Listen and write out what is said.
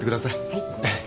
はい。